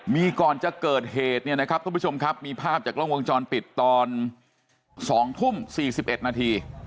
มีก่อนจะเกิดเหตุเนี่ยนะครับทุกผู้ชมครับมีภาพจากกล้องวงจรปิดตอน๒ทุ่ม๔๑นาที